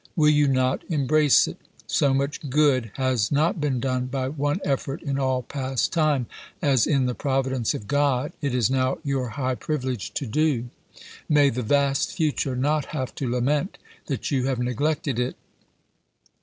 Will you not embrace it 1 So much good has not been done by one effort in all past time, as, 96 ABKAHAM LINCOLN CHAP. V. in the providence of God, it is now your high priv liSiama ^^g^ to do. May the vast future not have to utTh lament that you have neglected it."